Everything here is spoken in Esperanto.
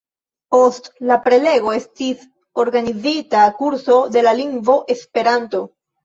Post la prelego estis organizita kurso de la lingvo Esperanto.